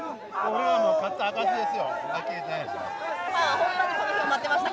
勝った証しですよ。